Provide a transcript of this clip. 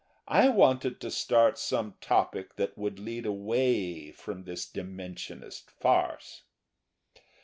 I wanted to start some topic that would lead away from this Dimensionist farce.